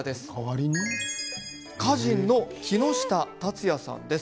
歌人の木下龍也さんです。